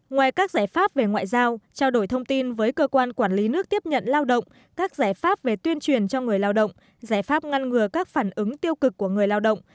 ngoài các giải pháp về ngoại giao trao đổi thông tin với cơ quan quản lý nước tiếp nhận lao động các giải pháp về tuyên truyền cho người lao động giải pháp ngăn ngừa các phản ứng tiêu cực của người lao động